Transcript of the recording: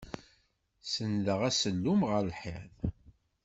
Senndeɣ asellum ɣer lḥiḍ.